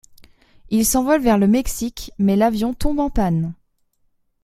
Ils s'envolent vers le Mexique, mais l'avion tombe en panne.